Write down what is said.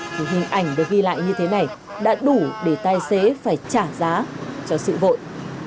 thì hình ảnh được ghi lại như thế này đã đủ để tài xế phải trả giá cho sự vội